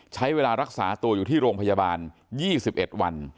ใช้เวลารักษาตัวอยู่ที่โรงพยาบาล๒๑วัน